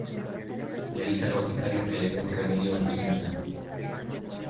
Le dice al boticario que le de un remedio a Lucinda.